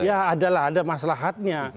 ya adalah ada masalah haknya